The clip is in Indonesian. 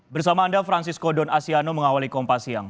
bersama anda francisco don asyano mengawali kompas siang